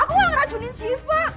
aku gak ngeracunin siva